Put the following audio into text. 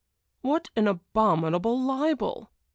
"What an abominable libel!